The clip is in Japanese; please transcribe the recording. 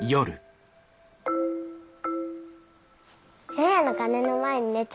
除夜の鐘の前に寝ちゃった。